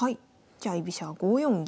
じゃあ居飛車は５四銀。